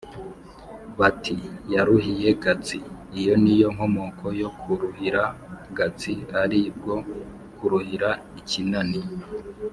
bati: "Yaruhiye Gatsi!" Iyo ni yo nkomoko yo kuruhira gatsi ari byo kuruhira ikinani.